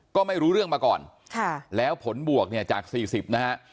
ก็ไม่รู้เรื่องมาก่อนแล้วผลบวกจาก๔๐นะฮะ